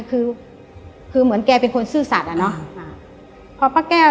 คือเหมือนแกเป็นคนซื่อสัตว์อะเนอะ